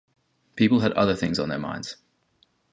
People had other things on their minds.